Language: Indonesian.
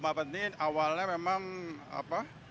tiga empat menit awalnya memang apa